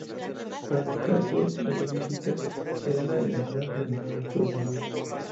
Para el caso de los mexicas era la llamada ""ceremonia del fuego nuevo"".